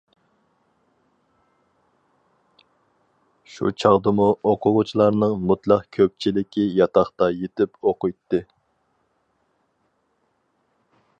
شۇ چاغدىمۇ ئوقۇغۇچىلارنىڭ مۇتلەق كۆپچىلىكى ياتاقتا يېتىپ ئوقۇيتتى.